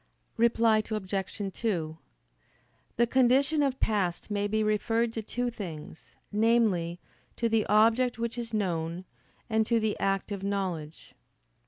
Reply Obj. 2: The condition of past may be referred to two things namely, to the object which is known, and to the act of knowledge.